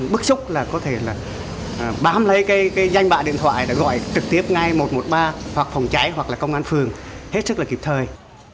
bất xúc có thể bám lấy danh bạc điện thoại để gọi trực tiếp ngay một trăm một mươi ba hoặc phòng cháy hoặc công an phường hết sức là kịp thời